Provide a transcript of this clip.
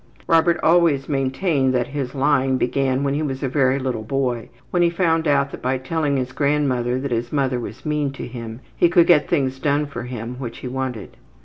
Robert always maintained that his lying began when he was a very little boy, when he found out that by telling his grandmother that his mother was mean to him he could get things done for him which he wanted.